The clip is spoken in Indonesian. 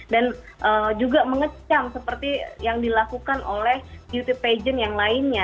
dan juga mengecam seperti yang dilakukan oleh youtube pageant yang lainnya